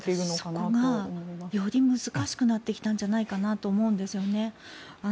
そこがより難しくなってきたんじゃないかと思うんですよね。